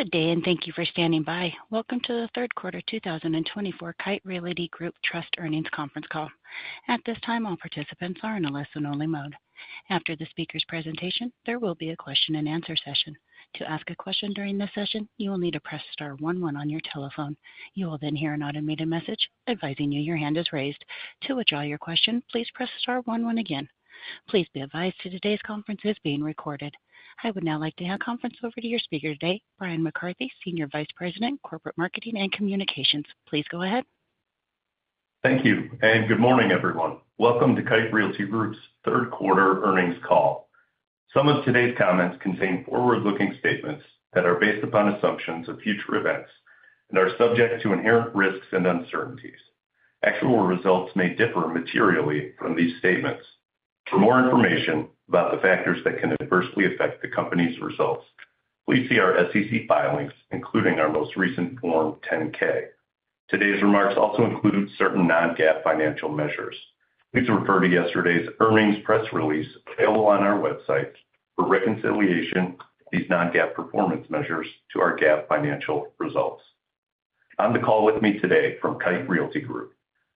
Good day, and thank you for standing by. Welcome to the Q3 2024 Kite Realty Group Trust Earnings conference call. At this time, all participants are in a listen-only mode. After the speaker's presentation, there will be a question-and-answer session. To ask a question during this session, you will need to press star 11 on your telephone. You will then hear an automated message advising you your hand is raised. To withdraw your question, please press star 11 again. Please be advised that today's conference is being recorded. I would now like to hand the conference over to your speaker today, Bryan McCarthy, Senior Vice President, Corporate Marketing and Communications. Please go ahead. Thank you, and good morning, everyone. Welcome to Kite Realty Group's Q3 earnings call. Some of today's comments contain forward-looking statements that are based upon assumptions of future events and are subject to inherent risks and uncertainties. Actual results may differ materially from these statements. For more information about the factors that can adversely affect the company's results, please see our SEC filings, including our most recent Form 10-K. Today's remarks also include certain non-GAAP financial measures. Please refer to yesterday's earnings press release available on our website for reconciliation of these non-GAAP performance measures to our GAAP financial results. On the call with me today from Kite Realty Group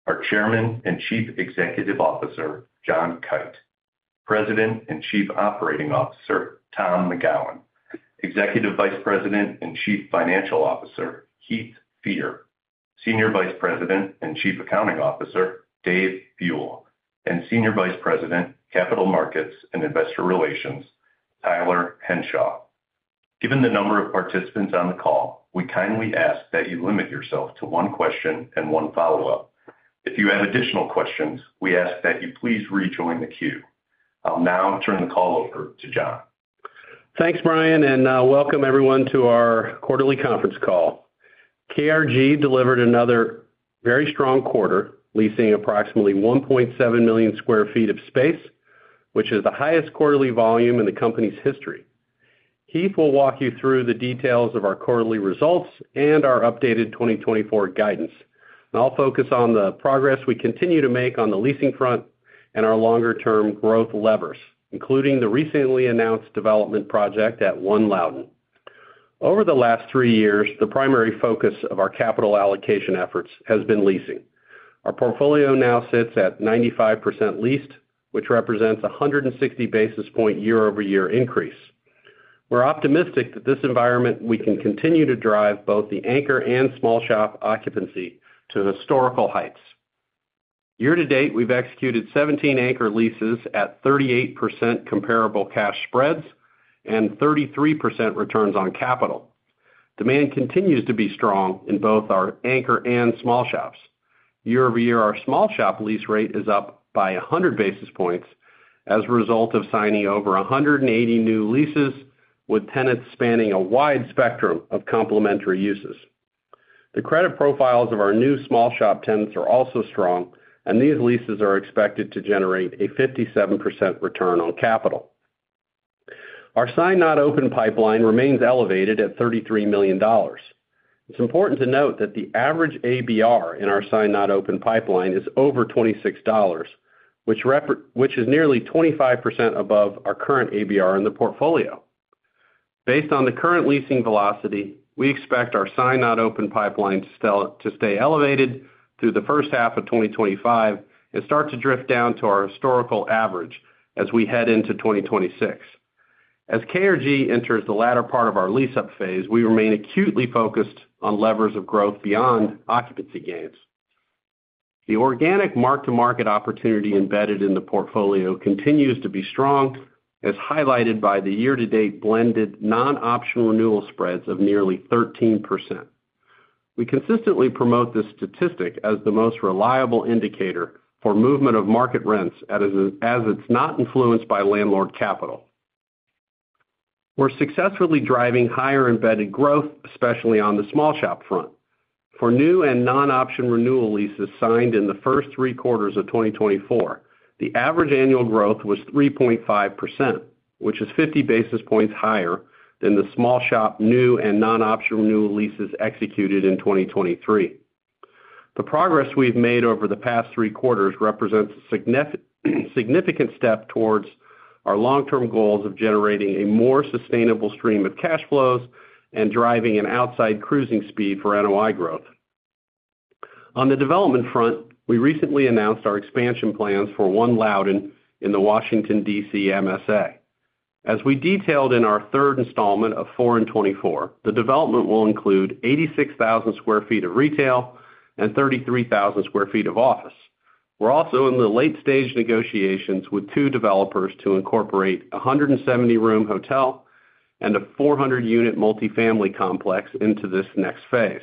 are Chairman and Chief Executive Officer John Kite, President and Chief Operating Officer Tom McGowan, Executive Vice President and Chief Financial Officer Heath Fear, Senior Vice President and Chief Accounting Officer Dave Buell, and Senior Vice President, Capital Markets and Investor Relations, Tyler Henshaw. Given the number of participants on the call, we kindly ask that you limit yourself to one question and one follow-up. If you have additional questions, we ask that you please rejoin the queue. I'll now turn the call over to John. Thanks, Bryan, and welcome everyone to our quarterly conference call. KRG delivered another very strong quarter, leasing approximately 1.7 million sq ft of space, which is the highest quarterly volume in the company's history. Heath will walk you through the details of our quarterly results and our updated 2024 guidance. I'll focus on the progress we continue to make on the leasing front and our longer-term growth levers, including the recently announced development project at One Loudoun. Over the last three years, the primary focus of our capital allocation efforts has been leasing. Our portfolio now sits at 95% leased, which represents a 160 basis point year-over-year increase. We're optimistic that this environment we can continue to drive both the anchor and small-shop occupancy to historical heights. Year to date, we've executed 17 anchor leases at 38% comparable cash spreads and 33% returns on capital. Demand continues to be strong in both our anchor and small shops. Year over year, our small-shop lease rate is up by 100 basis points as a result of signing over 180 new leases, with tenants spanning a wide spectrum of complementary uses. The credit profiles of our new small-shop tenants are also strong, and these leases are expected to generate a 57% return on capital. Our Signed-Not-Opened pipeline remains elevated at $33 million. It's important to note that the average ABR in our Signed-Not-Opened pipeline is over $26, which is nearly 25% above our current ABR in the portfolio. Based on the current leasing velocity, we expect our Signed-Not-Opened pipeline to stay elevated through H1 of 2025 and start to drift down to our historical average as we head into 2026. As KRG enters the latter part of our lease-up phase, we remain acutely focused on levers of growth beyond occupancy gains. The organic mark-to-market opportunity embedded in the portfolio continues to be strong, as highlighted by the year-to-date blended non-option renewal spreads of nearly 13%. We consistently promote this statistic as the most reliable indicator for movement of market rents as it's not influenced by landlord capital. We're successfully driving higher embedded growth, especially on the small-shop front. For new and non-option renewal leases signed in the first three quarters of 2024, the average annual growth was 3.5%, which is 50 basis points higher than the small-shop new and non-option renewal leases executed in 2023. The progress we've made over the past three quarters represents a significant step towards our long-term goals of generating a more sustainable stream of cash flows and driving an outsized cruising speed for NOI growth. On the development front, we recently announced our expansion plans for One Loudoun in the Washington, DC MSA. As we detailed in our third installment of Four in '24, the development will include 86,000sq ft of retail and 33,000sq ft of office. We're also in the late-stage negotiations with two developers to incorporate a 170-room hotel and a 400-unit multifamily complex into this next phase.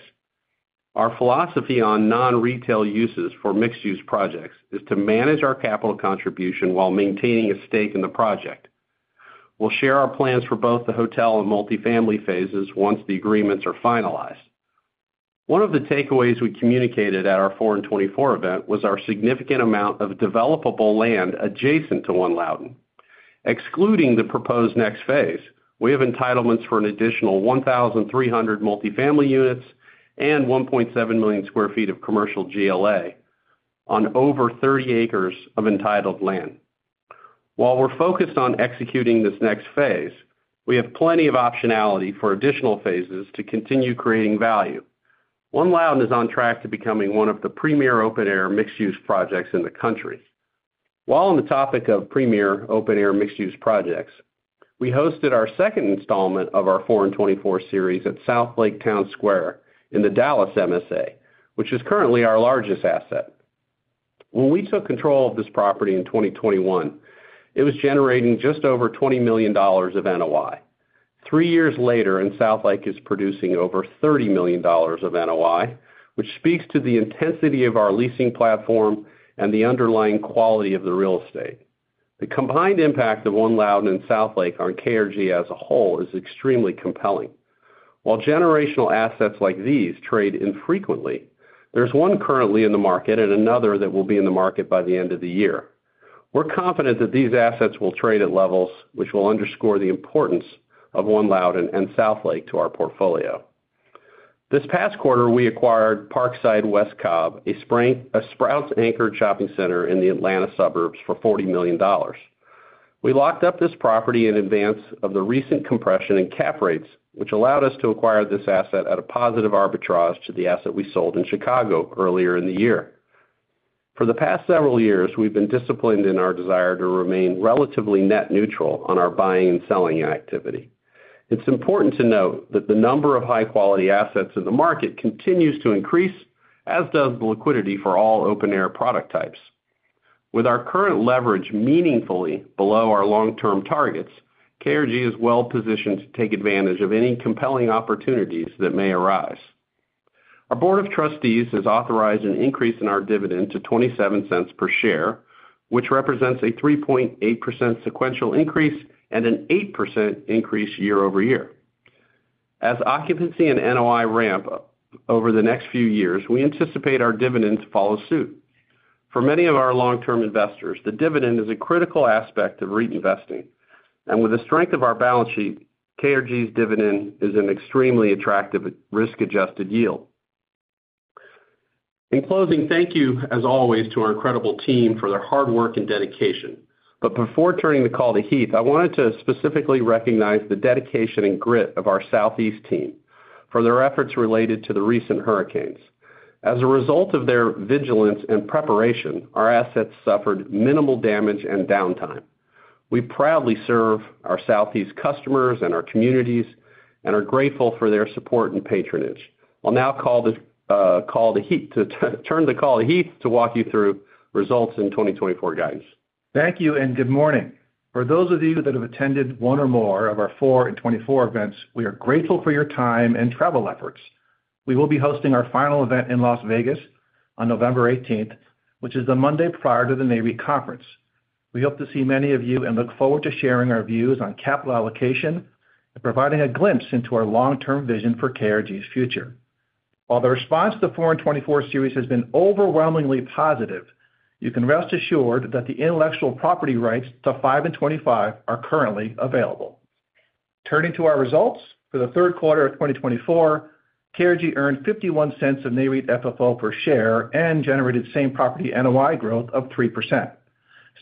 Our philosophy on non-retail uses for mixed-use projects is to manage our capital contribution while maintaining a stake in the project. We'll share our plans for both the hotel and multifamily phases once the agreements are finalized. One of the takeaways we communicated at our Four in '24 event was our significant amount of developable land adjacent to One Loudoun. Excluding the proposed next phase, we have entitlements for an additional 1,300 multifamily units and 1.7 million sq ft of commercial GLA on over 30 acres of entitled land. While we're focused on executing this next phase, we have plenty of optionality for additional phases to continue creating value. One Loudoun is on track to becoming one of the premier open-air mixed-use projects in the country. While on the topic of premier open-air mixed-use projects, we hosted our second installment of our Four in '24 series at Southlake Town Square in the Dallas MSA, which is currently our largest asset. When we took control of this property in 2021, it was generating just over $20 million of NOI. Three years later, and Southlake is producing over $30 million of NOI, which speaks to the intensity of our leasing platform and the underlying quality of the real estate. The combined impact of One Loudoun and Southlake on KRG as a whole is extremely compelling. While generational assets like these trade infrequently, there's one currently in the market and another that will be in the market by the end of the year. We're confident that these assets will trade at levels which will underscore the importance of One Loudoun and Southlake to our portfolio. This past quarter, we acquired Parkside West Cobb, a Sprouts-anchored shopping center in the Atlanta suburbs, for $40 million. We locked up this property in advance of the recent compression in cap rates, which allowed us to acquire this asset at a positive arbitrage to the asset we sold in Chicago earlier in the year. For the past several years, we've been disciplined in our desire to remain relatively net neutral on our buying and selling activity. It's important to note that the number of high-quality assets in the market continues to increase, as does the liquidity for all open-air product types. With our current leverage meaningfully below our long-term targets, KRG is well positioned to take advantage of any compelling opportunities that may arise. Our Board of Trustees has authorized an increase in our dividend to $0.27 per share, which represents a 3.8% sequential increase and an 8% increase year over year. As occupancy and NOI ramp over the next few years, we anticipate our dividends follow suit. For many of our long-term investors, the dividend is a critical aspect of reinvesting, and with the strength of our balance sheet, KRG's dividend is an extremely attractive risk-adjusted yield. In closing, thank you, as always, to our incredible team for their hard work and dedication. But before turning the call to Heath, I wanted to specifically recognize the dedication and grit of our Southeast team for their efforts related to the recent hurricanes. As a result of their vigilance and preparation, our assets suffered minimal damage and downtime. We proudly serve our Southeast customers and our communities and are grateful for their support and patronage. I'll now turn the call to Heath to walk you through results and 2024 guidance. Thank you and good morning. For those of you that have attended one or more of our Four in '24 events, we are grateful for your time and travel efforts. We will be hosting our final event in Las Vegas on 18 November, which is the Monday prior to the Nareit Conference. We hope to see many of you and look forward to sharing our views on capital allocation and providing a glimpse into our long-term vision for KRG's future. While the response to the Four in '24 series has been overwhelmingly positive, you can rest assured that the intellectual property rights to Five in '25 are currently available. Turning to our results, for the Q3 of 2024, KRG earned $0.51 of Nareit FFO per share and generated same property NOI growth of 3%.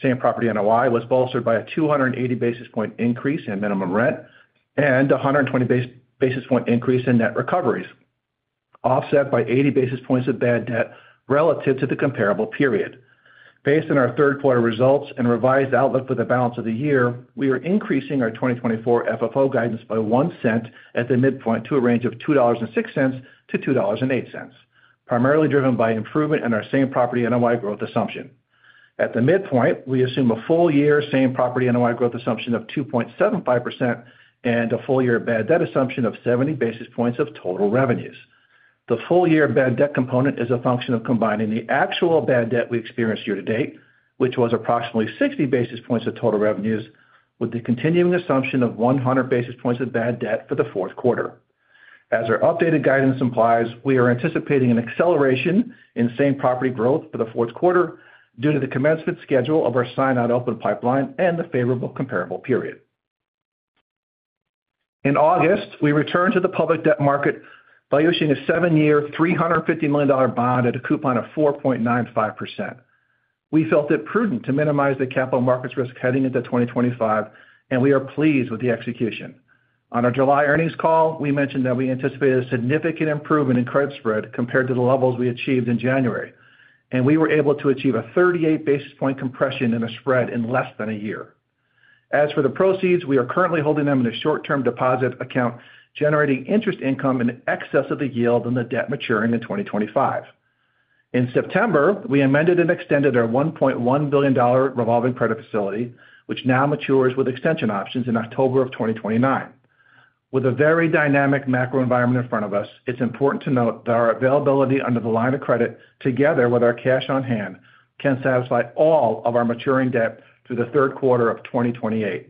Same property NOI was bolstered by a 280 basis point increase in minimum rent and a 120 basis point increase in net recoveries, offset by 80 basis points of bad debt relative to the comparable period. Based on our Q3 results and revised outlook for the balance of the year, we are increasing our 2024 FFO guidance by $0.01 at the midpoint to a range of $2.06 to $2.08, primarily driven by improvement in our same property NOI growth assumption. At the midpoint, we assume a full year same property NOI growth assumption of 2.75% and a full year bad debt assumption of 70 basis points of total revenues. The full year bad debt component is a function of combining the actual bad debt we experienced year to date, which was approximately 60 basis points of total revenues, with the continuing assumption of 100 basis points of bad debt for the Q4. As our updated guidance implies, we are anticipating an acceleration in same property growth for the Q4 due to the commencement schedule of our Signed-Not-Opened pipeline and the favorable comparable period. In August, we returned to the public debt market by issuing a seven-year $350 million bond at a coupon of 4.95%. We felt it prudent to minimize the capital markets risk heading into 2025, and we are pleased with the execution. On our July earnings call, we mentioned that we anticipated a significant improvement in credit spread compared to the levels we achieved in January, and we were able to achieve a 38 basis point compression in a spread in less than a year. As for the proceeds, we are currently holding them in a short-term deposit account, generating interest income in excess of the yield and the debt maturing in 2025. In September, we amended and extended our $1.1 billion revolving credit facility, which now matures with extension options in October of 2029. With a very dynamic macro environment in front of us, it's important to note that our availability under the line of credit, together with our cash on hand, can satisfy all of our maturing debt through the Q3 of 2028.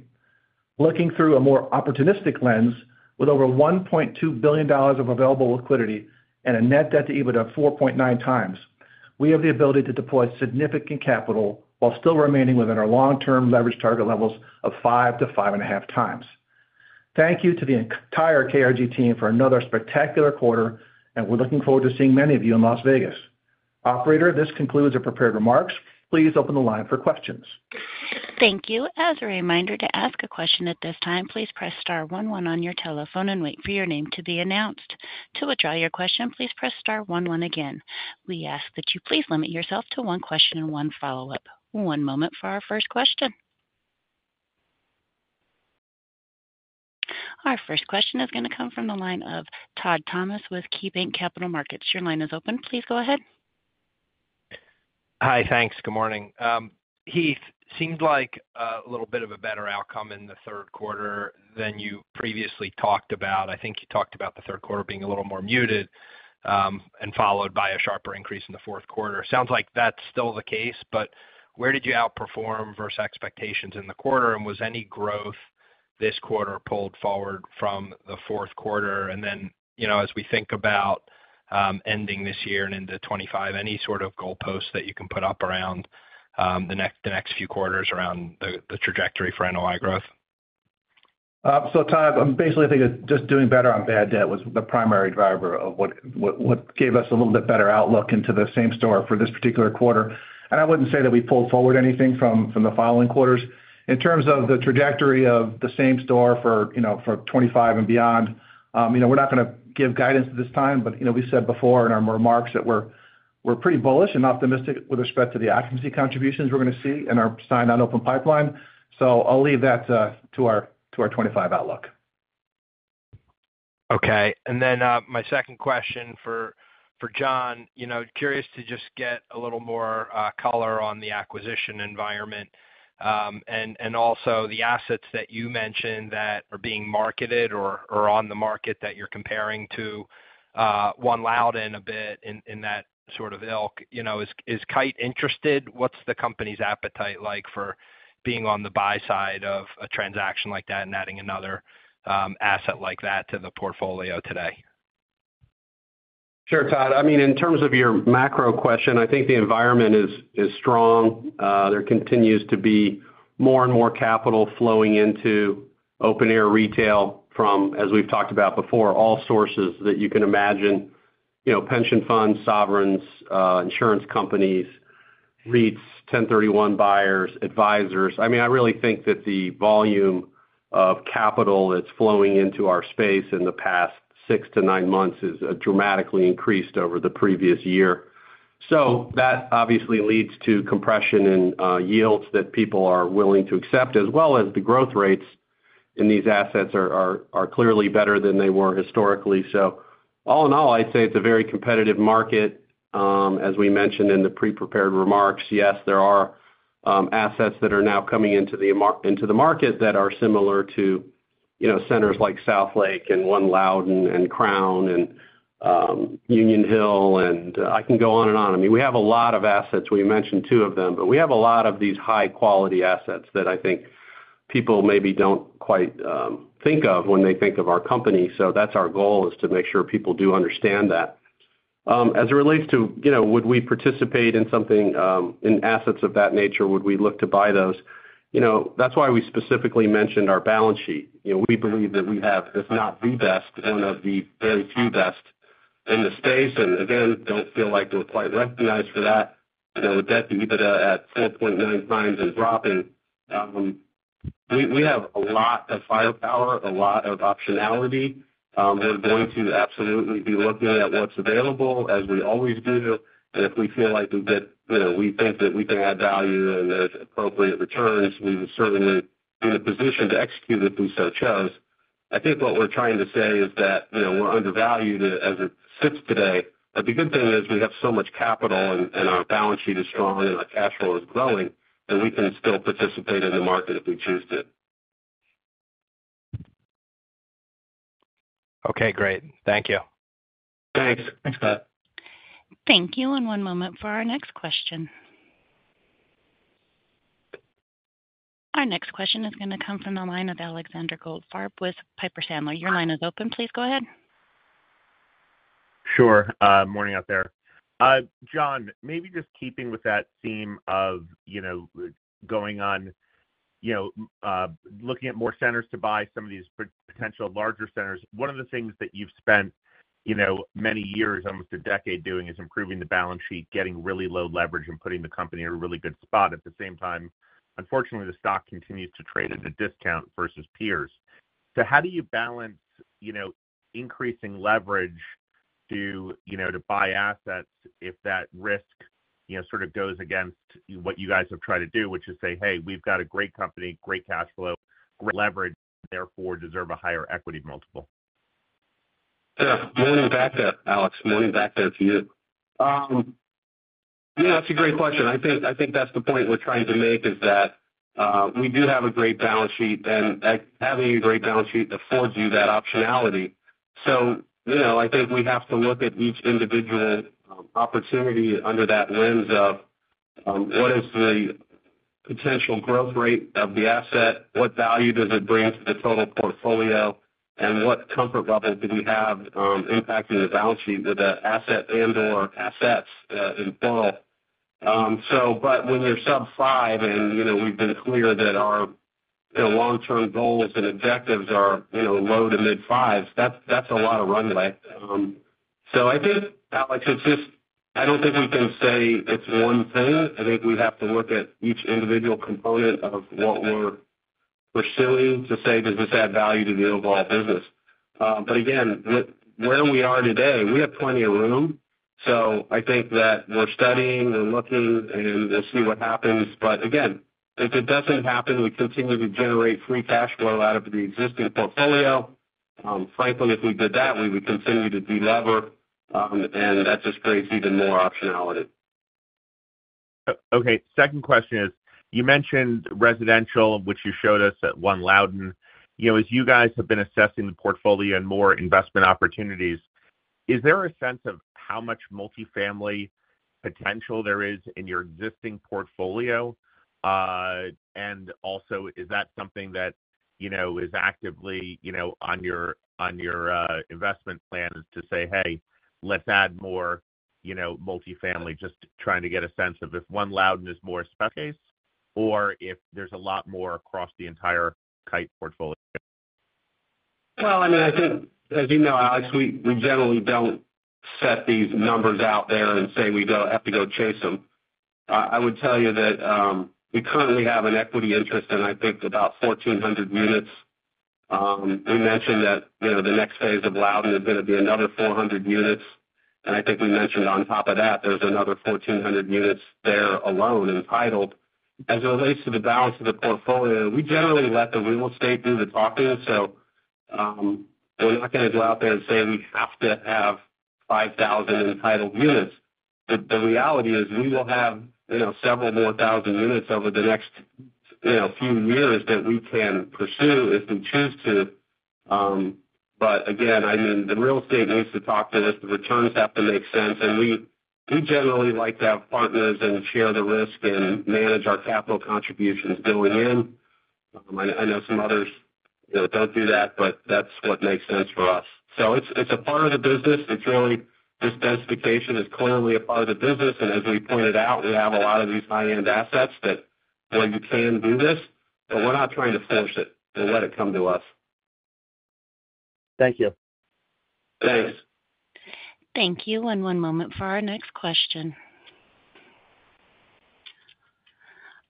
Looking through a more opportunistic lens, with over $1.2 billion of available liquidity and a net debt to EBITDA of 4.9x, we have the ability to deploy significant capital while still remaining within our long-term leverage target levels of 5x to 5.5x. Thank you to the entire KRG team for another spectacular quarter, and we're looking forward to seeing many of you in Las Vegas. Operator, this concludes our prepared remarks. Please open the line for questions. Thank you. As a reminder to ask a question at this time, please press star 11 on your telephone and wait for your name to be announced. To withdraw your question, please press star 11 again. We ask that you please limit yourself to one question and one follow-up. One moment for our first question. Our first question is going to come from the line of Todd Thomas with KeyBanc Capital Markets. Your line is open. Please go ahead. Hi, thanks. Good morning. Heath, seemed like a little bit of a better outcome in the Q3 than you previously talked about. I think you talked about the Q3 being a little more muted and followed by a sharper increase in the Q4. It sounds like that's still the case, but where did you outperform versus expectations in the quarter? And was any growth this quarter pulled forward from the Q4? And then, you know, as we think about ending this year and into 2025, any sort of goalposts that you can put up around the next few quarters around the trajectory for NOI growth? So, Todd, I'm basically thinking just doing better on bad debt was the primary driver of what gave us a little bit better outlook into the same store for this particular quarter. And I wouldn't say that we pulled forward anything from the following quarters. In terms of the trajectory of the same store for 2025 and beyond, you know, we're not going to give guidance at this time, but, you know, we said before in our remarks that we're pretty bullish and optimistic with respect to the occupancy contributions we're going to see in our Signed-Not-Opened pipeline. So I'll leave that to our 2025 outlook. Okay. And then my second question for John, you know, curious to just get a little more color on the acquisition environment and also the assets that you mentioned that are being marketed or on the market that you're comparing to One Loudoun a bit in that sort of ilk. You know, is Kite interested? What's the company's appetite like for being on the buy side of a transaction like that and adding another asset like that to the portfolio today? Sure, Todd. I mean, in terms of your macro question, I think the environment is strong. There continues to be more and more capital flowing into open-air retail from, as we've talked about before, all sources that you can imagine, you know, pension funds, sovereigns, insurance companies, REITs, 1031 buyers, advisors. I mean, I really think that the volume of capital that's flowing into our space in the past six to nine months has dramatically increased over the previous year. So that obviously leads to compression in yields that people are willing to accept, as well as the growth rates in these assets are clearly better than they were historically. So all in all, I'd say it's a very competitive market. As we mentioned in the pre-prepared remarks, yes, there are assets that are now coming into the market that are similar to, you know, centers like Southlake and One Loudoun and Crown and Union Hill, and I can go on and on. I mean, we have a lot of assets. We mentioned two of them, but we have a lot of these high-quality assets that I think people maybe don't quite think of when they think of our company. So that's our goal is to make sure people do understand that. As it relates to, you know, would we participate in something in assets of that nature? Would we look to buy those? You know, that's why we specifically mentioned our balance sheet. You know, we believe that we have, if not the best, one of the very few best in the space. Again, don't feel like we're quite recognized for that. You know, with debt to EBITDA at 4.9x and dropping, we have a lot of firepower, a lot of optionality. We're going to absolutely be looking at what's available, as we always do. And if we feel like that, you know, we think that we can add value and there's appropriate returns, we would certainly be in a position to execute if we so chose. I think what we're trying to say is that, you know, we're undervalued as it sits today. The good thing is we have so much capital and our balance sheet is strong and our cash flow is growing, and we can still participate in the market if we choose to. Okay, great. Thank you. Thanks. Thanks, Todd. Thank you. And one moment for our next question. Our next question is going to come from the line of Alexander Goldfarb with Piper Sandler. Your line is open. Please go ahead. Sure. Morning out there. John, maybe just keeping with that theme of, you know, going on, you know, looking at more centers to buy some of these potential larger centers. One of the things that you've spent, you know, many years, almost a decade doing is improving the balance sheet, getting really low leverage, and putting the company in a really good spot. At the same time, unfortunately, the stock continues to trade at a discount versus peers. So how do you balance, you know, increasing leverage to, you know, to buy assets if that risk, you know, sort of goes against what you guys have tried to do, which is say, "Hey, we've got a great company, great cash flow, great leverage, therefore deserve a higher equity multiple"? Yeah. Morning back there, Alex. Morning back there to you. Yeah, that's a great question. I think that's the point we're trying to make is that we do have a great balance sheet, and having a great balance sheet affords you that optionality. So, you know, I think we have to look at each individual opportunity under that lens of what is the potential growth rate of the asset, what value does it bring to the total portfolio, and what comfort level do we have impacting the balance sheet with the asset and/or assets in full. So, but when you're sub five and, you know, we've been clear that our long-term goals and objectives are, you know, low to mid fives, that's a lot of runway. So I think, Alex, it's just, I don't think we can say it's one thing. I think we have to look at each individual component of what we're pursuing to say, does this add value to the overall business? But again, where we are today, we have plenty of room. So I think that we're studying, we're looking, and we'll see what happens. But again, if it doesn't happen, we continue to generate free cash flow out of the existing portfolio. Frankly, if we did that, we would continue to de-lever, and that just creates even more optionality. Okay. Second question is, you mentioned residential, which you showed us at One Loudoun. You know, as you guys have been assessing the portfolio and more investment opportunities, is there a sense of how much multifamily potential there is in your existing portfolio? And also, is that something that, you know, is actively, you know, on your investment plan is to say, "Hey, let's add more, you know, multifamily," just trying to get a sense of if One Loudoun is more a special case or if there's a lot more across the entire Kite portfolio? I mean, I think, as you know, Alex, we generally don't set these numbers out there and say we don't have to go chase them. I would tell you that we currently have an equity interest in, I think, about 1,400 units. We mentioned that, you know, the next phase of Loudoun is going to be another 400 units. I think we mentioned on top of that, there's another 1,400 units there alone entitled. As it relates to the balance of the portfolio, we generally let the real estate do the talking. So we're not going to go out there and say we have to have 5,000 entitled units. The reality is we will have, you know, several more thousand units over the next, you know, few years that we can pursue if we choose to. Again, I mean, the real estate needs to talk to us. The returns have to make sense, and we generally like to have partners and share the risk and manage our capital contributions going in. I know some others, you know, don't do that, but that's what makes sense for us, so it's a part of the business. It's really this densification is clearly a part of the business, and as we pointed out, we have a lot of these high-end assets that where you can do this, but we're not trying to force it and let it come to us. Thank you. Thanks. Thank you. And one moment for our next question.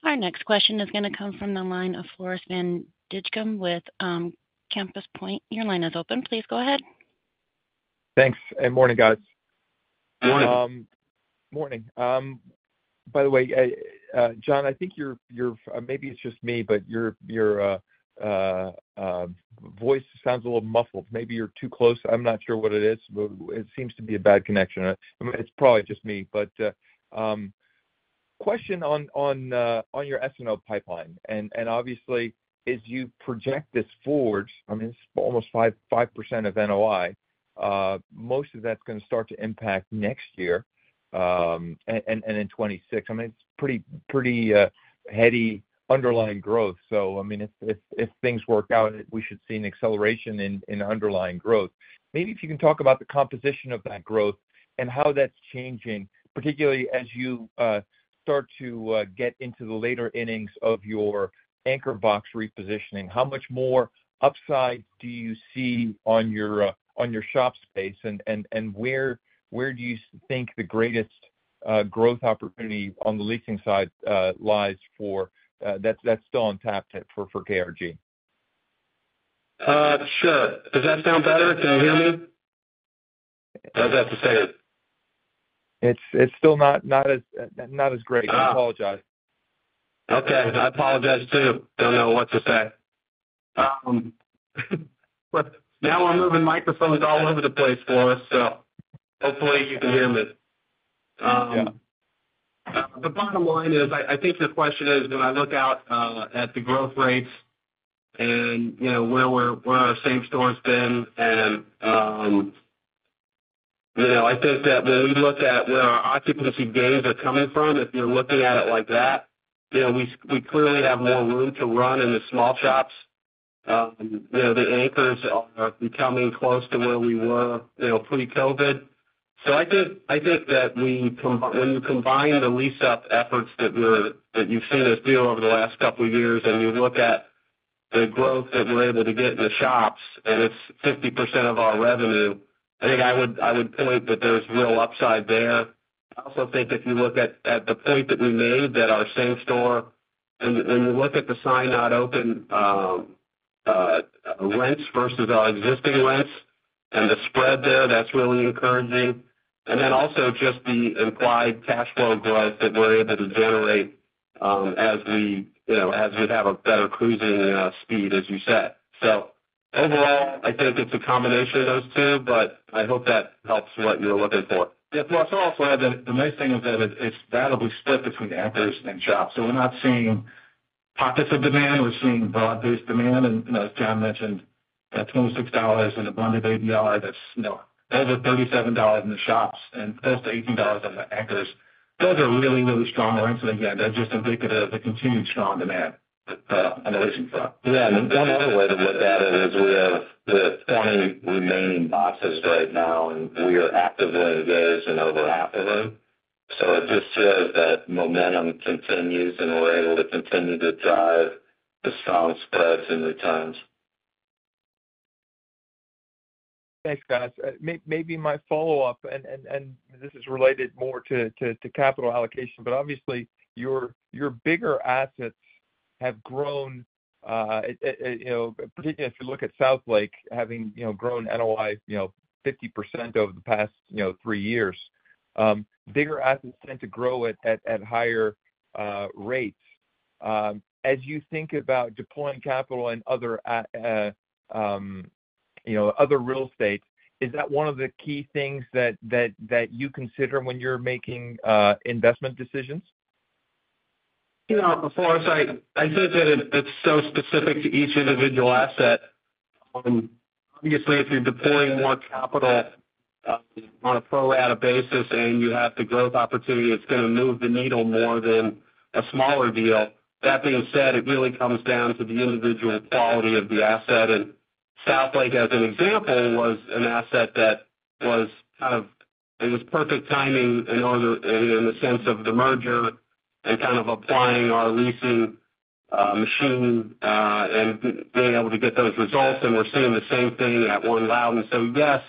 Our next question is going to come from the line of Floris Van Dijkum with Compass Point. Your line is open. Please go ahead. Thanks. Good morning, guys. Morning. Good morning. By the way, John, I think you're, maybe it's just me, but your voice sounds a little muffled. Maybe you're too close. I'm not sure what it is, but it seems to be a bad connection. It's probably just me. But question on your SNO pipeline. And obviously, as you project this forward, I mean, it's almost 5% of NOI. Most of that's going to start to impact next year and in 2026. I mean, it's pretty heady underlying growth. So, I mean, if things work out, we should see an acceleration in underlying growth. Maybe if you can talk about the composition of that growth and how that's changing, particularly as you start to get into the later innings of your anchor box repositioning, how much more upside do you see on your shop space? Where do you think the greatest growth opportunity on the leasing side lies for KRG that's still untapped for KRG? Sure. Does that sound better? Can you hear me? How's that to say it? It's still not as great. I apologize. Okay. I apologize too. Don't know what to say. Now we're moving microphones all over the place Floris, so hopefully you can hear me. The bottom line is, I think the question is, when I look out at the growth rates and, you know, where our same store has been, and, you know, I think that when we look at where our occupancy gains are coming from, if you're looking at it like that, you know, we clearly have more room to run in the small shops. You know, the anchors are becoming close to where we were, you know, pre-COVID. So I think that when you combine the lease-up efforts that you've seen us do over the last couple of years and you look at the growth that we're able to get in the shops, and it's 50% of our revenue, I think I would point that there's real upside there. I also think if you look at the point that we made that our same store, and you look at the Signed-Not-Opened rents versus our existing rents and the spread there, that's really encouraging. And then also just the implied cash flow growth that we're able to generate as we, you know, as we have a better cruising speed, as you said. So overall, I think it's a combination of those two, but I hope that helps what you're looking for. Yes. Floris, I'll also add, the nice thing is that it's valuably split between anchors and shops. So we're not seeing pockets of demand. We're seeing broad-based demand. And, you know, as John mentioned, that $26 in a blended ABR, that's, you know, over $37 in the shops and close to $18 on the anchors. Those are really, really strong rents. And again, that's just indicative of the continued strong demand on the leasing front. Yeah. And one other way to look at it is we have the 20 remaining boxes right now, and we are actively engaged in over half of them. So it just shows that momentum continues and we're able to continue to drive the strong spreads and returns. Thanks, guys. Maybe my follow-up, and this is related more to capital allocation, but obviously your bigger assets have grown, you know, particularly if you look at Southlake having, you know, grown NOI, you know, 50% over the past, you know, three years. Bigger assets tend to grow at higher rates. As you think about deploying capital and other, you know, other real estate, is that one of the key things that you consider when you're making investment decisions? You know, Floris, I think that it's so specific to each individual asset. Obviously, if you're deploying more capital on a pro-rata basis and you have the growth opportunity, it's going to move the needle more than a smaller deal. That being said, it really comes down to the individual quality of the asset, and Southlake, as an example, was an asset that was kind of, it was perfect timing in order in the sense of the merger and kind of applying our leasing machine and being able to get those results, and we're seeing the same thing at One Loudoun, so yes,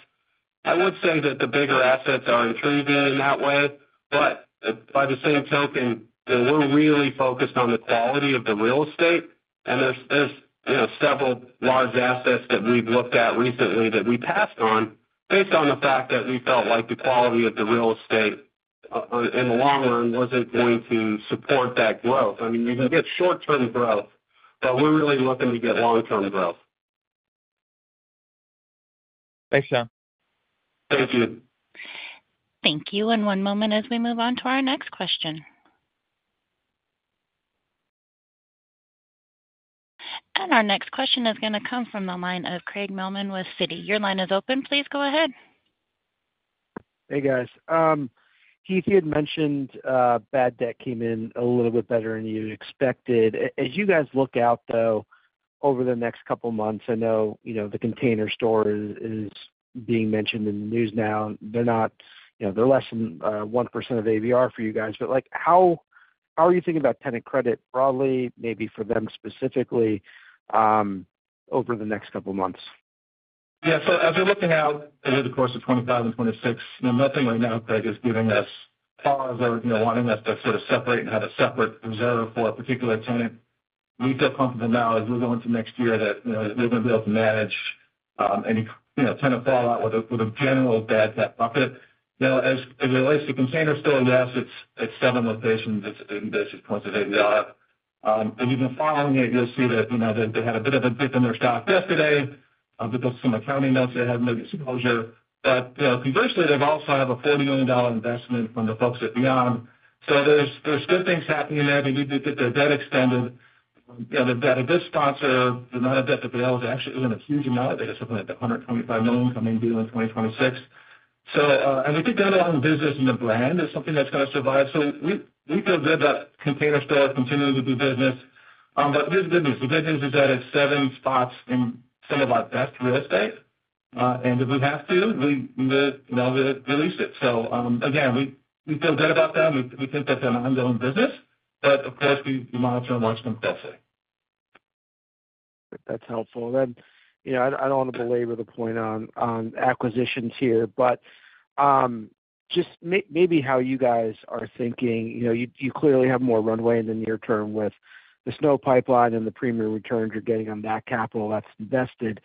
I would say that the bigger assets are intriguing in that way, but by the same token, you know, we're really focused on the quality of the real estate. There's, you know, several large assets that we've looked at recently that we passed on based on the fact that we felt like the quality of the real estate in the long run wasn't going to support that growth. I mean, you can get short-term growth, but we're really looking to get long-term growth. Thanks, John. Thank you. Thank you, and one moment as we move on to our next question, and our next question is going to come from the line of Craig Mailman with Citi. Your line is open. Please go ahead. Hey, guys. Heath, you had mentioned bad debt came in a little bit better than you expected. As you guys look out, though, over the next couple of months, I know, you know, The Container Store is being mentioned in the news now. They're not, you know, they're less than 1% of ABR for you guys. But like, how are you thinking about tenant credit broadly, maybe for them specifically, over the next couple of months? Yeah. So as we're looking out over the course of 2025 and 2026, nothing right now, Craig, is giving us pause or, you know, wanting us to sort of separate and have a separate reserve for a particular tenant. We feel comfortable now as we're going to next year that, you know, we're going to be able to manage any, you know, tenant fallout with a general bad debt bucket. Now, as it relates to Container Store, yes, it's seven locations; it's 80 basis points of ABR. If you've been following it, you'll see that, you know, they had a bit of a dip in their stock yesterday. They issued some accounting notes that had maybe some disclosure. But conversely, they've also had a $40 million investment from the folks at Beyond. So there's good things happening there. They need to get their debt extended. You know, they've got a good sponsor. The amount of debt that they owe is actually in a huge amount. They got something like $125 million coming due in 2026. So, and we think that the underlying business and the brand is something that's going to survive. So we feel good that Container Store continues to do business. But here's the good news. The good news is that it's seven spots in some of our best real estate. And if we have to, we re-lease it. So again, we feel good about them. We think that's an ongoing business. But of course, we monitor and watch them closely. That's helpful. And then, you know, I don't want to belabor the point on acquisitions here, but just maybe how you guys are thinking, you know, you clearly have more runway in the near term with the SNO pipeline and the premium returns you're getting on that capital that's invested.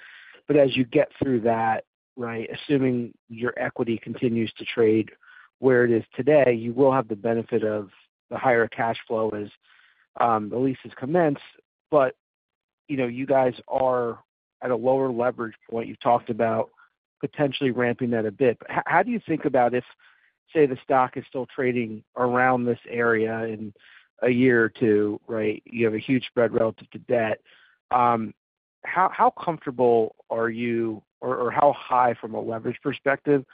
But as you get through that, right, assuming your equity continues to trade where it is today, you will have the benefit of the higher cash flow as the lease is commenced. But, you know, you guys are at a lower leverage point. You've talked about potentially ramping that a bit. But how do you think about if, say, the stock is still trading around this area in a year or two, right? You have a huge spread relative to debt. How comfortable are you, or how high from a leverage perspective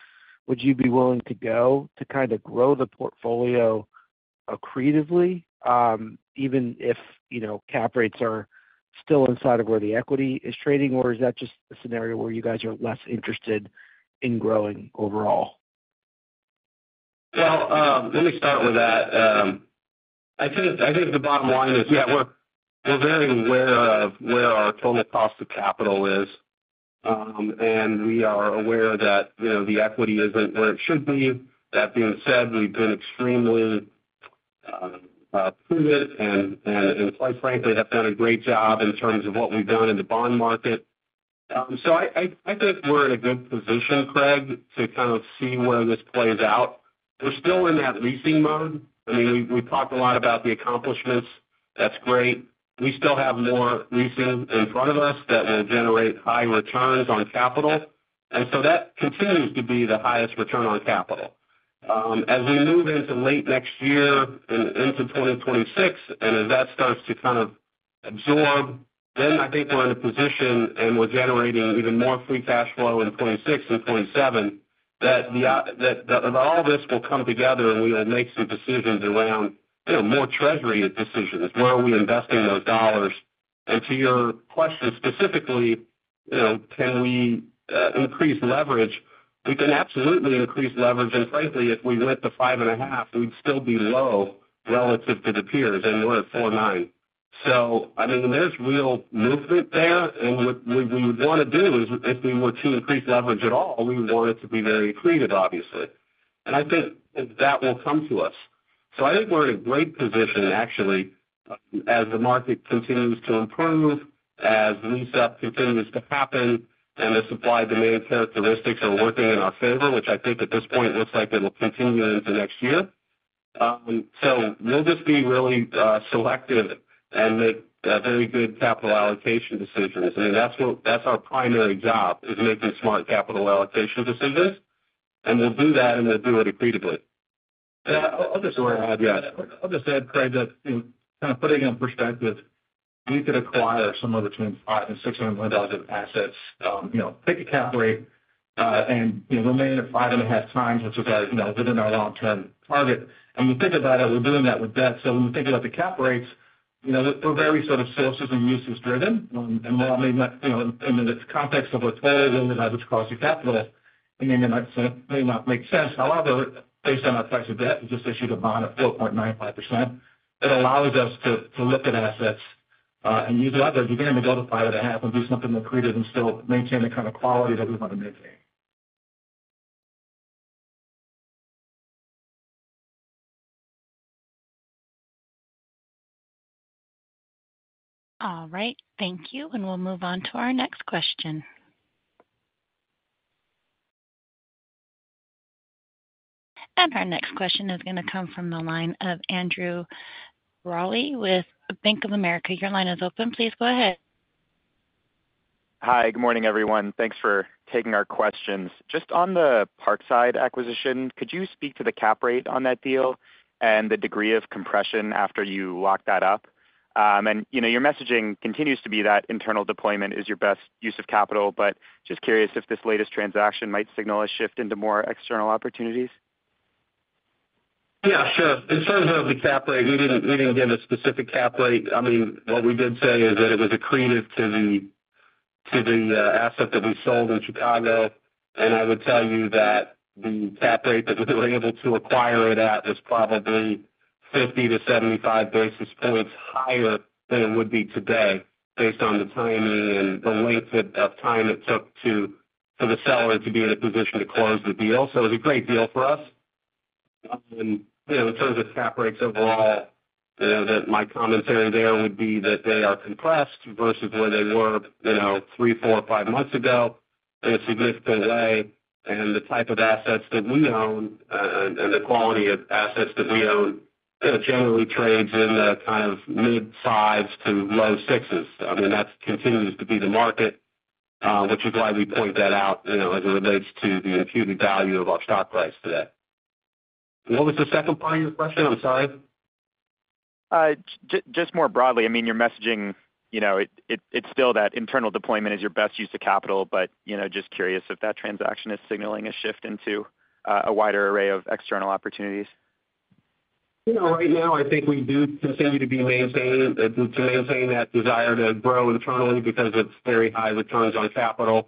would you be willing to go to kind of grow the portfolio accretively, even if, you know, cap rates are still inside of where the equity is trading? Or is that just a scenario where you guys are less interested in growing overall? Well, let me start with that. I think the bottom line is, yeah, we're very aware of where our total cost of capital is. And we are aware that, you know, the equity isn't where it should be. That being said, we've been extremely prudent and, quite frankly, have done a great job in terms of what we've done in the bond market. So I think we're in a good position, Craig, to kind of see where this plays out. We're still in that leasing mode. I mean, we've talked a lot about the accomplishments. That's great. We still have more leasing in front of us that will generate high returns on capital. And so that continues to be the highest return on capital. As we move into late next year and into 2026, and as that starts to kind of absorb, then I think we're in a position and we're generating even more free cash flow in 2026 and 2027 that all this will come together and we will make some decisions around, you know, more Treasury decisions. Where are we investing those dollars? And to your question specifically, you know, can we increase leverage? We can absolutely increase leverage. And frankly, if we went to 5.5x, we'd still be low relative to the peers and we're at four nine. So, I mean, there's real movement there. And what we would want to do is if we were to increase leverage at all, we would want it to be very accretive, obviously. And I think that will come to us. So I think we're in a great position, actually, as the market continues to improve, as lease-up continues to happen, and the supply-demand characteristics are working in our favor, which I think at this point looks like it'll continue into next year. So we'll just be really selective and make very good capital allocation decisions. I mean, that's our primary job is making smart capital allocation decisions. And we'll do that, and we'll do it accretively. I'll just add, yeah, I'll just add, Craig, that kind of putting in perspective, we could acquire somewhere between $500 million and $600 million of assets, you know, pick a cap rate and, you know, remain at 5.5x, which is, you know, within our long-term target. And when you think about it, we're doing that with debt. When we think about the cap rates, you know, we're very sort of sources and uses driven. In the context of our total weighted average cost of capital, I mean, it may not make sense. However, based on our cost of debt, we just issued a bond at 4.95%. It allows us to look at assets and use leverage to go to 5.5x and do something accretive and still maintain the kind of quality that we want to maintain. All right. Thank you. And we'll move on to our next question. And our next question is going to come from the line of Andrew Reale with Bank of America. Your line is open. Please go ahead. Hi. Good morning, everyone. Thanks for taking our questions. Just on the Parkside acquisition, could you speak to the cap rate on that deal and the degree of compression after you locked that up? And, you know, your messaging continues to be that internal deployment is your best use of capital, but just curious if this latest transaction might signal a shift into more external opportunities? Yeah, sure. In terms of the cap rate, we didn't give a specific cap rate. I mean, what we did say is that it was accretive to the asset that we sold in Chicago, and I would tell you that the cap rate that we were able to acquire it at was probably 50-75 basis points higher than it would be today based on the timing and the length of time it took for the seller to be in a position to close the deal, so it was a great deal for us. You know, in terms of cap rates overall, you know, my commentary there would be that they are compressed versus where they were, you know, three, four, five months ago in a significant way. The type of assets that we own and the quality of assets that we own, you know, generally trades in the kind of mid fives to low sixes. I mean, that continues to be the market, which is why we point that out, you know, as it relates to the imputed value of our stock price today. What was the second part of your question? I'm sorry. Just more broadly, I mean, your messaging, you know, it's still that internal deployment is your best use of capital, but, you know, just curious if that transaction is signaling a shift into a wider array of external opportunities? You know, right now, I think we do continue to maintain that desire to grow internally because it's very high returns on capital,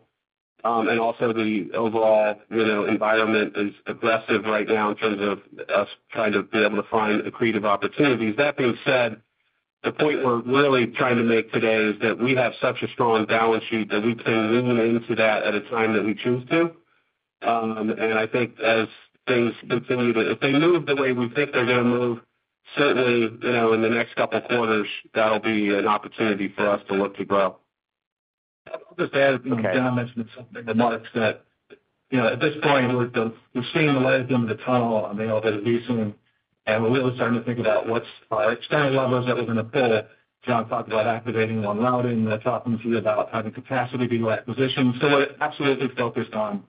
and also the overall, you know, environment is aggressive right now in terms of us trying to be able to find accretive opportunities. That being said, the point we're really trying to make today is that we have such a strong balance sheet that we can lean into that at a time that we choose to, and I think as things continue to, if they move the way we think they're going to move, certainly, you know, in the next couple of quarters, that'll be an opportunity for us to look to grow. I'll just add, John mentioned in his opening remarks that, you know, at this point, we're seeing the light at the end of the tunnel on the elevated leasing. And we're really starting to think about what's our external levers that we're going to pull. John talked about activating One Loudoun and then talking to you about added capacity due to acquisition. So we're absolutely focused on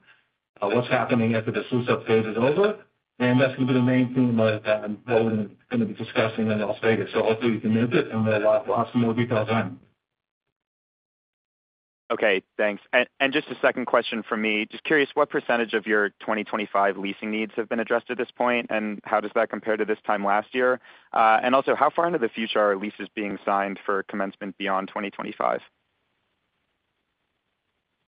what's happening after this lease-up phase is over. And that's going to be the main theme of what we're going to be discussing in Las Vegas. So hopefully you can make it and we'll have some more details on it. Okay. Thanks. And just a second question from me. Just curious, what percentage of your 2025 leasing needs have been addressed at this point? And how does that compare to this time last year? And also, how far into the future are leases being signed for commencement beyond 2025?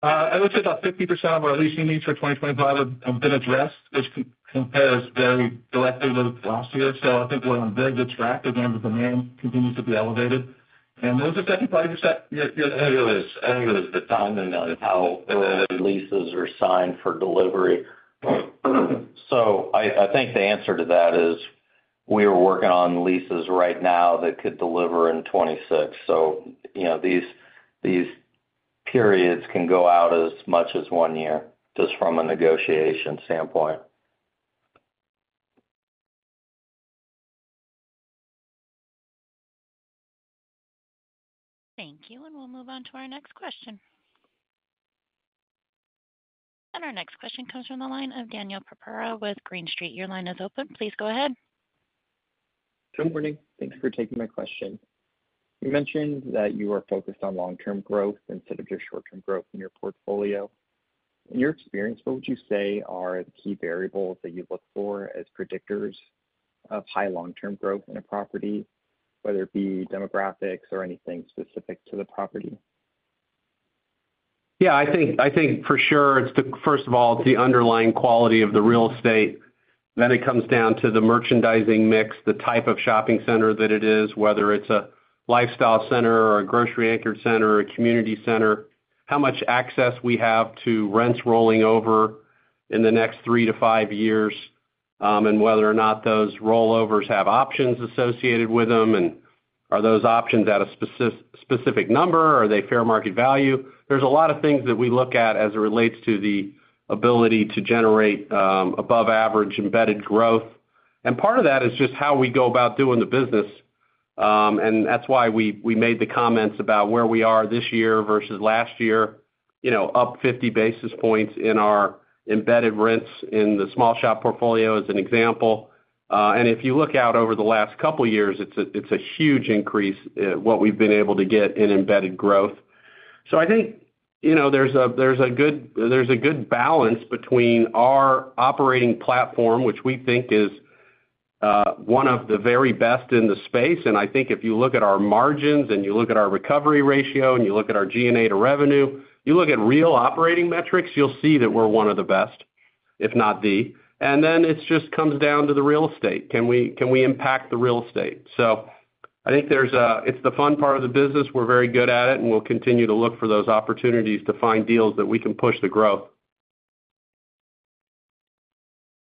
I would say about 50% of our leasing needs for 2025 have been addressed, which compares very directly with last year. So I think we're on a very good track. Again, the demand continues to be elevated. And what was the second part of your question? There is the timing of how early leases are signed for delivery. So I think the answer to that is we are working on leases right now that could deliver in 2026. So, you know, these periods can go out as much as one year just from a negotiation standpoint. Thank you, and we'll move on to our next question, and our next question comes from the line of Daniel Purpura with Green Street. Your line is open. Please go ahead. Good morning. Thanks for taking my question. You mentioned that you are focused on long-term growth instead of your short-term growth in your portfolio. In your experience, what would you say are the key variables that you look for as predictors of high long-term growth in a property, whether it be demographics or anything specific to the property? Yeah, I think for sure it's the, first of all, it's the underlying quality of the real estate. Then it comes down to the merchandising mix, the type of shopping center that it is, whether it's a lifestyle center or a grocery-anchored center or a community center, how much access we have to rents rolling over in the next three to five years, and whether or not those rollovers have options associated with them. And are those options at a specific number? Are they fair market value? There's a lot of things that we look at as it relates to the ability to generate above-average embedded growth. And part of that is just how we go about doing the business. And that's why we made the comments about where we are this year versus last year, you know, up 50 basis points in our embedded rents in the small-shop portfolio as an example. And if you look out over the last couple of years, it's a huge increase what we've been able to get in embedded growth. So I think, you know, there's a good balance between our operating platform, which we think is one of the very best in the space. And I think if you look at our margins and you look at our recovery ratio and you look at our G&A to revenue, you look at real operating metrics, you'll see that we're one of the best, if not the. And then it just comes down to the real estate. Can we impact the real estate? So I think there's a, it's the fun part of the business. We're very good at it, and we'll continue to look for those opportunities to find deals that we can push the growth.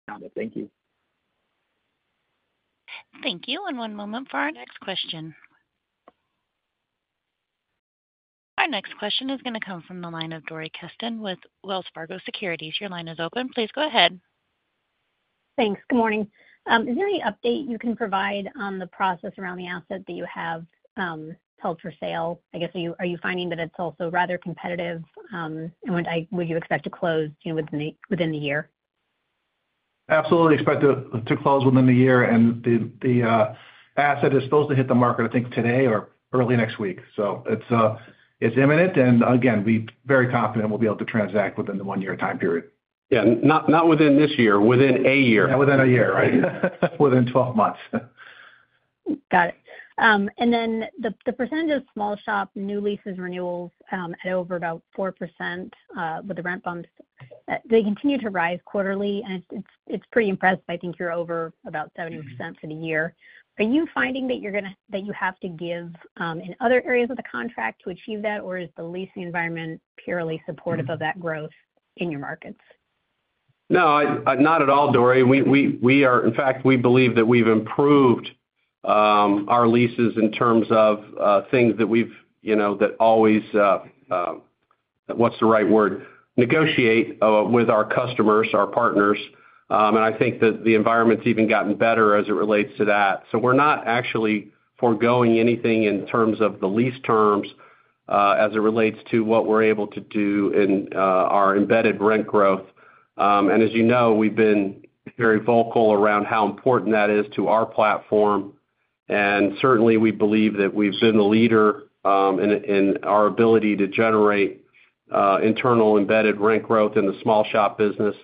Got it. Thank you. Thank you. And one moment for our next question. Our next question is going to come from the line of Dori Kesten with Wells Fargo Securities. Your line is open. Please go ahead. Thanks. Good morning. Is there any update you can provide on the process around the asset that you have held for sale? I guess, are you finding that it's also rather competitive, and would you expect to close within the year? Absolutely expect to close within the year, and the asset is supposed to hit the market, I think, today or early next week, so it's imminent, and again, we're very confident we'll be able to transact within the one-year time period. Yeah. Not within this year. Within a year. Yeah, within a year, right? Within 12 months. Got it. And then the percentage of small-shop new leases renewals at over about 4% with the rent bumps, they continue to rise quarterly. And it's pretty impressive. I think you're over about 70% for the year. Are you finding that you're going to, that you have to give in other areas of the contract to achieve that? Or is the leasing environment purely supportive of that growth in your markets? No, not at all, Dori. We are, in fact, we believe that we've improved our leases in terms of things that we've, you know, that always, what's the right word, negotiate with our customers, our partners. And I think that the environment's even gotten better as it relates to that. So we're not actually foregoing anything in terms of the lease terms as it relates to what we're able to do in our embedded rent growth. And as you know, we've been very vocal around how important that is to our platform. And certainly, we believe that we've been the leader in our ability to generate internal embedded rent growth in the small shop business.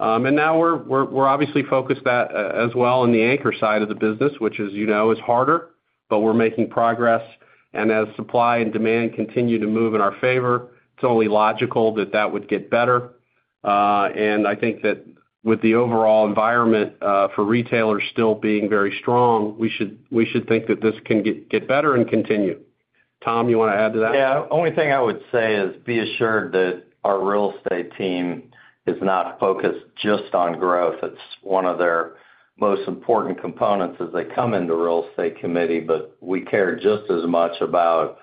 And now we're obviously focused that as well in the anchor side of the business, which is, you know, is harder, but we're making progress. And as supply and demand continue to move in our favor, it's only logical that that would get better. And I think that with the overall environment for retailers still being very strong, we should think that this can get better and continue. Tom, you want to add to that? Yeah. The only thing I would say is be assured that our real estate team is not focused just on growth. It's one of their most important components as they come into real estate committee. But we care just as much about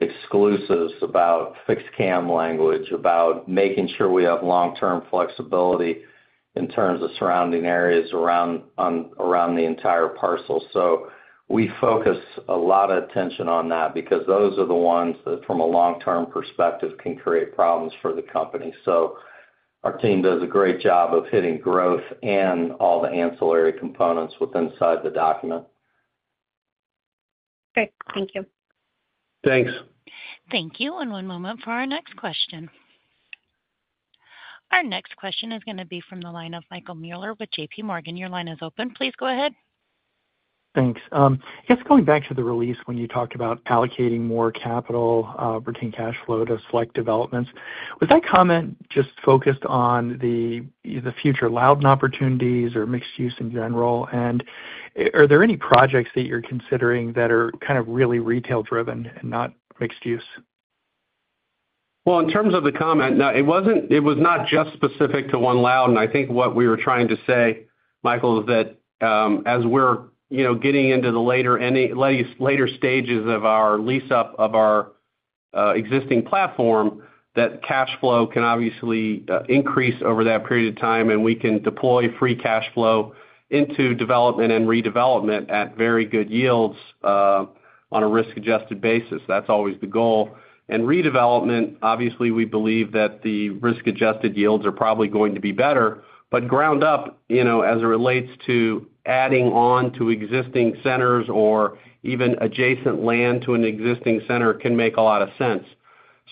exclusives, about fixed CAM language, about making sure we have long-term flexibility in terms of surrounding areas around the entire parcel. So we focus a lot of attention on that because those are the ones that from a long-term perspective can create problems for the company. So our team does a great job of hitting growth and all the ancillary components with inside the document. Great. Thank you. Thanks. Thank you. And one moment for our next question. Our next question is going to be from the line of Michael Mueller with JPMorgan. Your line is open. Please go ahead. Thanks. I guess going back to the release when you talked about allocating more capital retained cash flow to select developments, was that comment just focused on the future Loudoun opportunities or mixed-use in general? And are there any projects that you're considering that are kind of really retail-driven and not mixed-use? In terms of the comment, no, it wasn't. It was not just specific to One Loudoun. I think what we were trying to say, Michael, is that as we're, you know, getting into the later stages of our lease-up of our existing platform, that cash flow can obviously increase over that period of time. We can deploy free cash flow into development and redevelopment at very good yields on a risk-adjusted basis. That's always the goal. Redevelopment, obviously, we believe that the risk-adjusted yields are probably going to be better. Ground up, you know, as it relates to adding on to existing centers or even adjacent land to an existing center can make a lot of sense.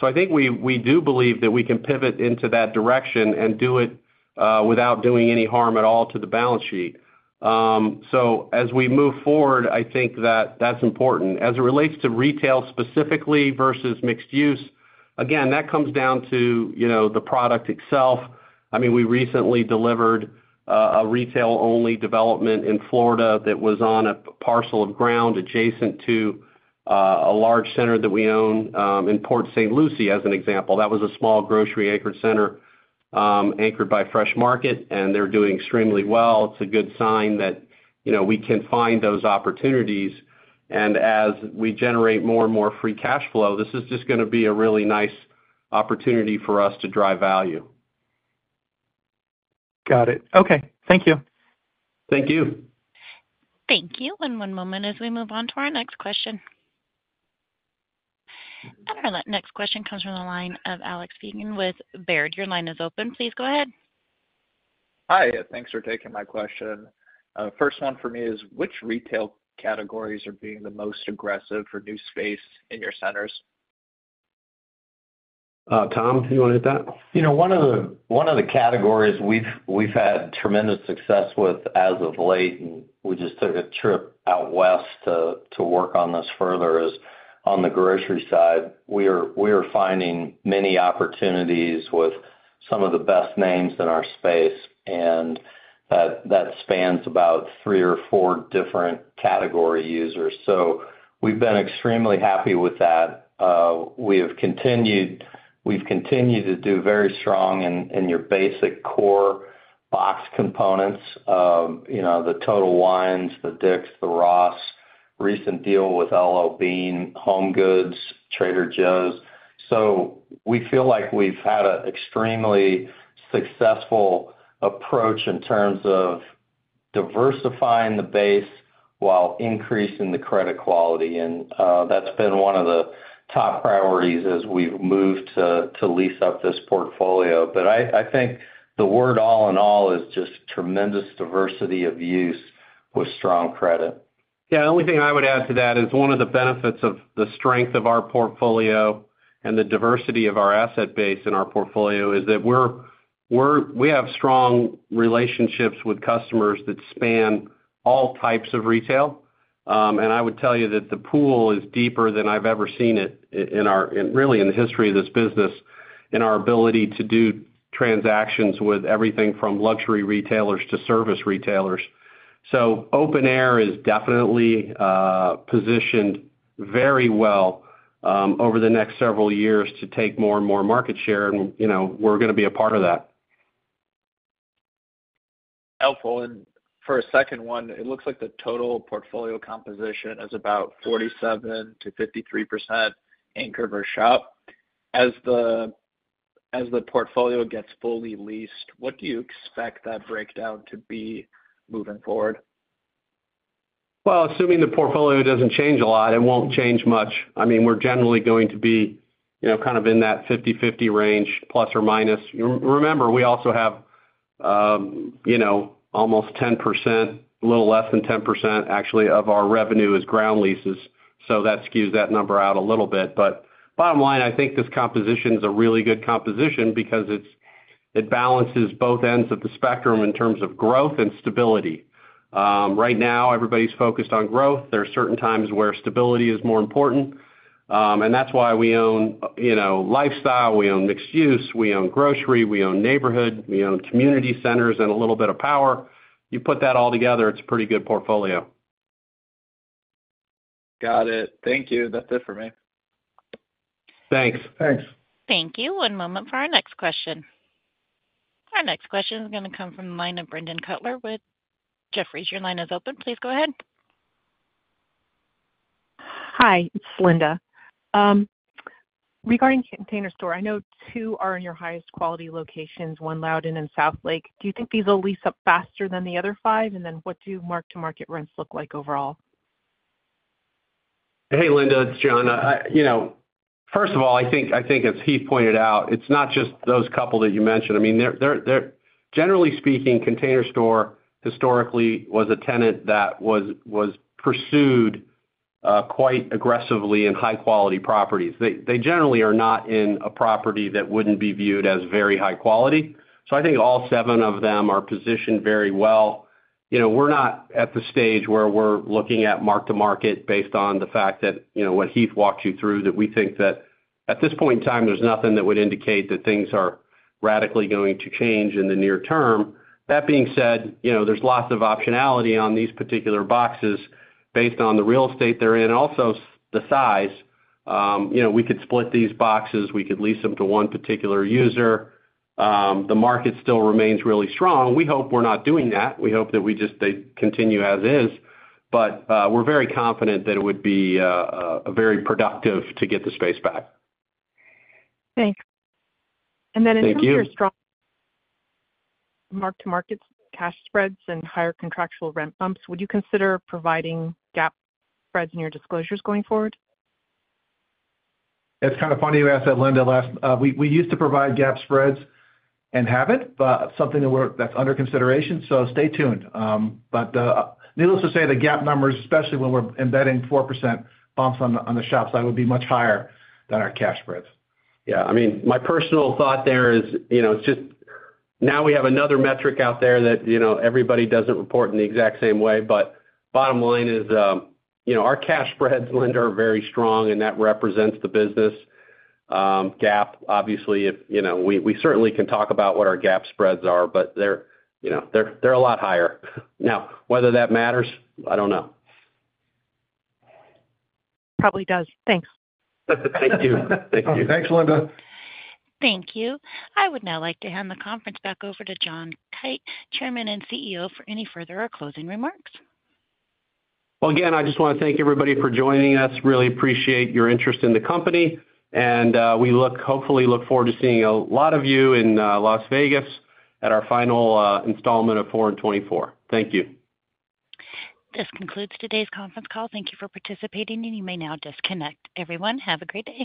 I think we do believe that we can pivot into that direction and do it without doing any harm at all to the balance sheet. So as we move forward, I think that that's important. As it relates to retail specifically versus mixed-use, again, that comes down to, you know, the product itself. I mean, we recently delivered a retail-only development in Florida that was on a parcel of ground adjacent to a large center that we own in Port St. Lucie as an example. That was a small grocery-anchored center anchored by Fresh Market. And they're doing extremely well. It's a good sign that, you know, we can find those opportunities. And as we generate more and more free cash flow, this is just going to be a really nice opportunity for us to drive value. Got it. Okay. Thank you. Thank you. Thank you. And one moment as we move on to our next question. And our next question comes from the line of Alec Feygin with Baird. Your line is open. Please go ahead. Hi. Thanks for taking my question. First one for me is which retail categories are being the most aggressive for new space in your centers? Tom, do you want to hit that? You know, one of the categories we've had tremendous success with as of late, and we just took a trip out west to work on this further, is on the grocery side. We are finding many opportunities with some of the best names in our space. And that spans about three or four different category users. So we've been extremely happy with that. We have continued to do very strong in your basic core box components, you know, the Total Wines, the Dick's, the Ross, recent deal with L.L.Bean, HomeGoods, Trader Joe's. So we feel like we've had an extremely successful approach in terms of diversifying the base while increasing the credit quality. And that's been one of the top priorities as we've moved to lease up this portfolio. But I think the word all in all is just tremendous diversity of use with strong credit. Yeah. The only thing I would add to that is one of the benefits of the strength of our portfolio and the diversity of our asset base in our portfolio is that we have strong relationships with customers that span all types of retail. And I would tell you that the pool is deeper than I've ever seen it in our, really in the history of this business, in our ability to do transactions with everything from luxury retailers to service retailers. So open air is definitely positioned very well over the next several years to take more and more market share. And, you know, we're going to be a part of that. Helpful. And for a second one, it looks like the total portfolio composition is about 47%-53% anchor versus shop. As the portfolio gets fully leased, what do you expect that breakdown to be moving forward? Assuming the portfolio doesn't change a lot, it won't change much. I mean, we're generally going to be, you know, kind of in that 50/50 range plus or minus. Remember, we also have, you know, almost 10%, a little less than 10% actually of our revenue is ground leases. So that skews that number out a little bit. But bottom line, I think this composition is a really good composition because it balances both ends of the spectrum in terms of growth and stability. Right now, everybody's focused on growth. There are certain times where stability is more important. And that's why we own, you know, lifestyle, we own mixed use, we own grocery, we own neighborhood, we own community centers, and a little bit of power. You put that all together, it's a pretty good portfolio. Got it. Thank you. That's it for me. Thanks. Thanks. Thank you. One moment for our next question. Our next question is going to come from the line of Brendan Cutler with Jefferies. Your line is open. Please go ahead. Hi. It's Linda. Regarding Container Store, I know two are in your highest quality locations, One Loudoun and Southlake. Do you think these will lease up faster than the other five? And then what do mark-to-market rents look like overall? Hey, Linda, it's John. You know, first of all, I think, as Heath pointed out, it's not just those couple that you mentioned. I mean, they're, generally speaking, Container Store historically was a tenant that was pursued quite aggressively in high-quality properties. They generally are not in a property that wouldn't be viewed as very high quality. So I think all seven of them are positioned very well. You know, we're not at the stage where we're looking at mark-to-market based on the fact that, you know, what Heath walked you through, that we think that at this point in time, there's nothing that would indicate that things are radically going to change in the near term. That being said, you know, there's lots of optionality on these particular boxes based on the real estate they're in and also the size. You know, we could split these boxes. We could lease them to one particular user. The market still remains really strong. We hope we're not doing that. We hope that we just continue as is. But we're very confident that it would be very productive to get the space back. Thanks. And then in terms of your strong mark-to-market cash spreads and higher contractual rent bumps, would you consider providing GAAP spreads in your disclosures going forward? It's kind of funny you asked that, Linda. We used to provide GAAP spreads and have it, but something that's under consideration. So stay tuned. But needless to say, the GAAP numbers, especially when we're embedding 4% bumps on the shop side, would be much higher than our cash spreads. Yeah. I mean, my personal thought there is, you know, it's just now we have another metric out there that, you know, everybody doesn't report in the exact same way. But bottom line is, you know, our cash spreads, Linda, are very strong. And that represents the business. GAAP gap. Obviously, you know, we certainly can talk about what our GAAP spreads are, but they're, you know, they're a lot higher. Now, whether that matters, I don't know. It probably does. Thanks. Thank you. Thank you. Thanks, Linda. Thank you. I would now like to hand the conference back over to John Kite, Chairman and CEO, for any further or closing remarks. Again, I just want to thank everybody for joining us. Really appreciate your interest in the company. We look forward, hopefully, to seeing a lot of you in Las Vegas at our final installment of Four in '24. Thank you. This concludes today's conference call. Thank you for participating. And you may now disconnect. Everyone, have a great day.